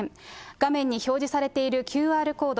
画面に表示されているＱＲコード、